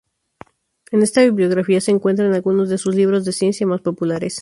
En esta bibliografía se encuentran algunos de sus libros de ciencia más populares.